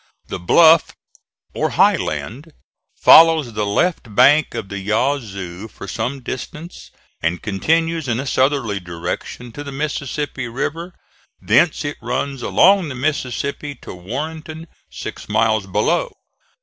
The bluff, or high land, follows the left bank of the Yazoo for some distance and continues in a southerly direction to the Mississippi River, thence it runs along the Mississippi to Warrenton, six miles below.